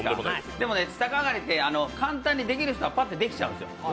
でも逆上がりって簡単に、できる人はパッとできちゃうんですよ。